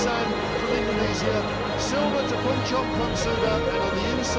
silver untuk punco konsuda